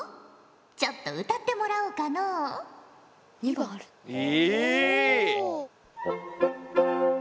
ちょっと歌ってもらおうかのう。え！？え。